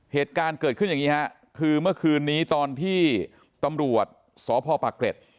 เหตุการณ์เกิดขึ้นอย่างนี้ฮะคือเมื่อคืนนี้ตอนที่ตำรวจสพปะเกร็ด